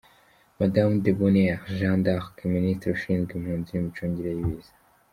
Madamu Debonheur Jeanne d’Arc, Minisitiri ushinzwe impunzi n’Imicungire y‘Ibiza.